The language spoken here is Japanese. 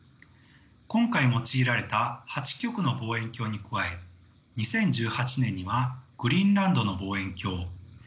今回用いられた８局の望遠鏡に加え２０１８年にはグリーンランドの望遠鏡